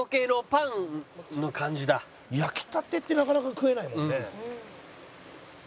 「焼きたてってなかなか食えないもんね」